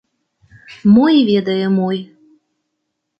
Мо і ведае мой.